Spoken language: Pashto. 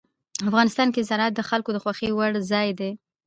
افغانستان کې زراعت د خلکو د خوښې وړ ځای دی.